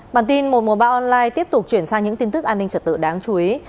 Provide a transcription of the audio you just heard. bản tin một trăm một mươi ba online tiếp tục chuyển sang những tin tức an ninh trật tự đáng chú ý